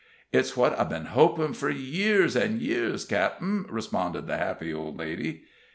"It's what I've been hopin' fur years an' years, cap'en," responded the happy old lady.